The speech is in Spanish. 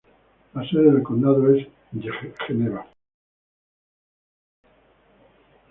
La sede de condado es Geneva.